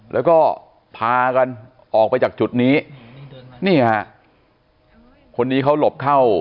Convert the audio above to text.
แล้วก็พากันออกไปจากจุดนี้นี่ฮะคนนี้เขาหลบเข้า